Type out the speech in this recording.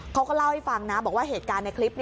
เขาก็เล่าให้ฟังนะบอกว่าเหตุการณ์ในคลิป